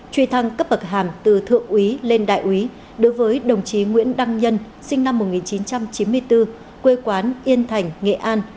truy thăng cấp bậc hàm từ thượng úy lên đại úy đối với đồng chí nguyễn đăng nhân sinh năm một nghìn chín trăm chín mươi bốn quê quán yên thành nghệ an